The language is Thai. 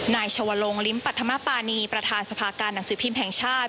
นายชวลงลิ้มปัธมปานีประธานสภาการหนังสือพิมพ์แห่งชาติ